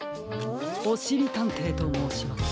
おしりたんていともうします。